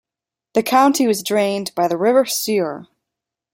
The county was drained by the River Suir.